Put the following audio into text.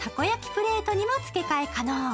プレートにも付け替え可能。